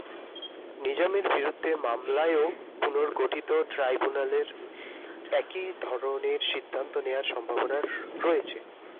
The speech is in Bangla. নিজামীর বিরুদ্ধে মামলায়ও পুনর্গঠিত ট্রাইব্যুনালের একই ধরনের সিদ্ধান্ত নেওয়ার সম্ভাবনা রয়েছে।